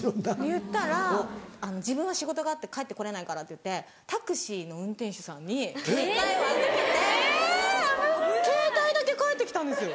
言ったら自分は仕事があって帰ってこれないからっていってタクシーの運転手さんにケータイを預けてケータイだけ帰ってきたんですよ。